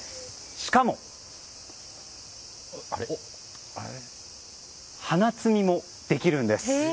しかも、花摘みもできるんです。